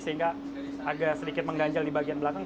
sehingga agak sedikit mengganjal di bagian belakang